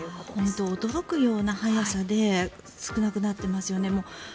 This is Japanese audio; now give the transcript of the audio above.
本当、驚くような早さで少なくなっていますよね。